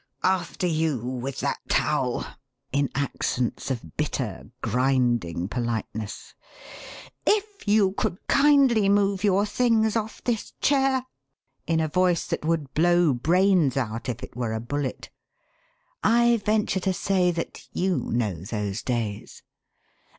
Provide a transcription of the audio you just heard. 'After you with that towel!' in accents of bitter, grinding politeness. 'If you could kindly move your things off this chair!' in a voice that would blow brains out if it were a bullet. I venture to say that you know those days.